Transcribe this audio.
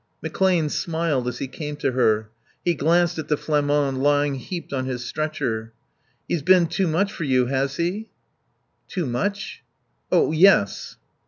McClane smiled as he came to her. He glanced at the Flamand lying heaped on his stretcher. "He's been too much for you, has he?" "Too much ? Yes."